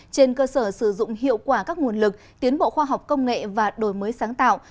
trên cơ sở sử dụng hiệu quả các nguồn lực tiến bộ khoa học công nghệ và đổi mới sáng tạo